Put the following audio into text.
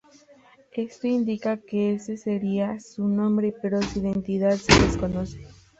Esto indica que ese sería su nombre, pero su identidad se desconoce.